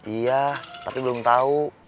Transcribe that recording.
iya tapi belum tau